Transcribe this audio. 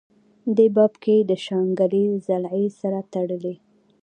دې باب کې دَشانګلې ضلعې سره تړلي